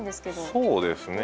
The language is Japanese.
そうですね。